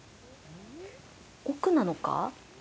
奥なのか？